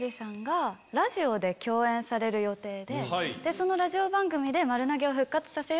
そのラジオ番組で。